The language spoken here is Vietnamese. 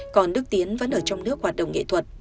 còn đức tiến vẫn ở trong nước hoạt động nghệ thuật